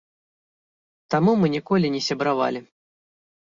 Таму мы ніколі не сябравалі.